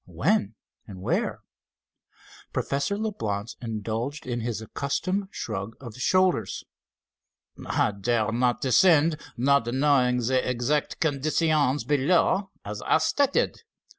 "When, and where?" Professor Leblance indulged in his accustomed shrug of the shoulders. "I dare not descend, not knowing the exact conditions below, as I stated.